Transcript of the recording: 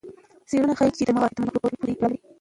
څېړنه ښيي چې د دماغ فعالیت د مایکروب ډول پورې تړاو لري.